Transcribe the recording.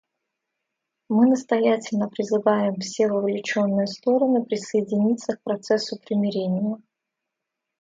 Мы настоятельно призываем все вовлеченные стороны присоединиться к процессу примирения.